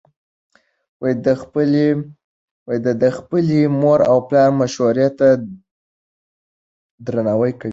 ده د خپلې مور او پلار مشورې ته درناوی کوي.